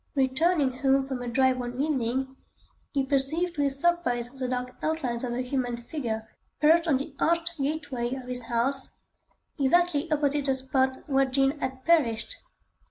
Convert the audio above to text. Returning home from a drive one evening, he perceived to his surprise the dark outlines of a human figure perched on the arched gateway of his house, exactly opposite the spot where Jean had perished.